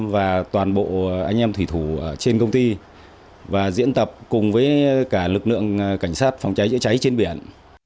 và toàn bộ anh em thủy thủ trên công ty và diễn tập cùng với cả lực lượng cảnh sát phòng cháy chữa cháy trên biển